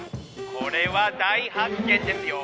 「これは大発見ですよ。